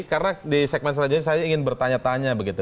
karena di segmen selanjutnya saya ingin bertanya tanya begitu